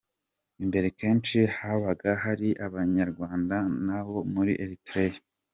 Imbere kenshi habaga hari Abanyarwanda n’abo muri Eritrea.